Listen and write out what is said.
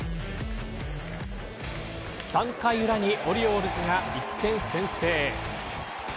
３回裏にオリオールズが１点先制。